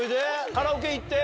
カラオケ行って？